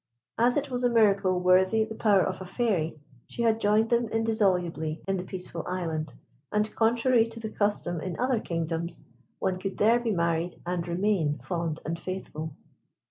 As it was a miracle worthy the power of a Fairy, she had joined them indissolubly in the Peaceful Island, and, contrary to the custom in other kingdoms, one could there be married, and remain fond and faithful.